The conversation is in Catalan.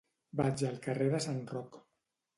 Vaig al carrer de Sant Roc.